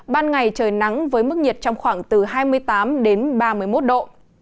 ban ngày trời nắng với mức nhiệt trong khoảng từ hai mươi tám đến ba mươi một độ